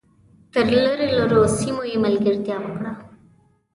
تر لرو لرو سیمو یې ملګرتیا وکړه .